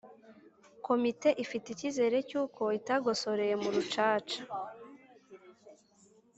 komite ifite icyizere cy'uko itagosoreye mu rucaca